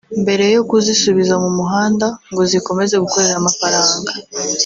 mbere yo kuzisubiza mu muhanda ngo zikomeze gukorera amafaranga